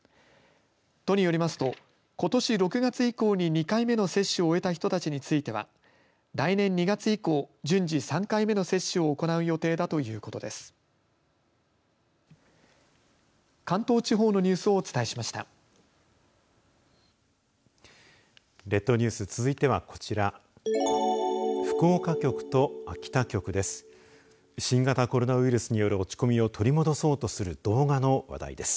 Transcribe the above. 都によりますと、ことし６月以降に２回目の接種を終えた人たちについては来年２月以降順次、３回目の接種を行う予定だということです。